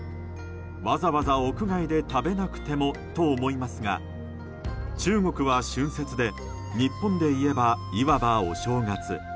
わざわざ屋外で食べなくてもと思いますが中国は、春節で日本でいえば、いわばお正月。